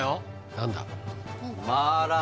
何だ？